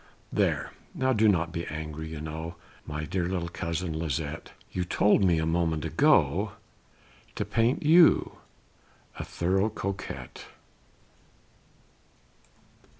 "There do not be angry you know, My dear little cousin Lisette, You told me a moment ago, To paint you a thorough Coquette!"